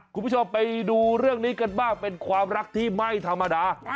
คุณผู้ชมไปดูเรื่องนี้กันบ้างเป็นความรักที่ไม่ธรรมดา